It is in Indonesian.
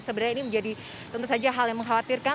sebenarnya ini menjadi tentu saja hal yang mengkhawatirkan